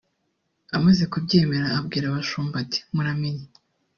Amaze kubyemera abwira abashumba ati “Muramenye